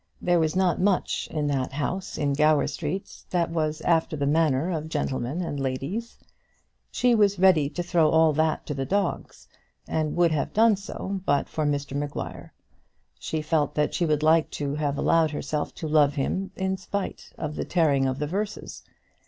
There was not much in that house in Gower Street that was after the manner of gentlemen and ladies. She was ready to throw all that to the dogs, and would have done so but for Mr Maguire. She felt that she would like to have allowed herself to love him in spite of the tearing of the verses.